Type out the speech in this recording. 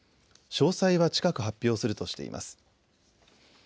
詳細は近く発表するとしています。